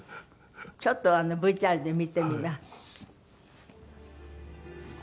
ちょっとＶＴＲで見てみます。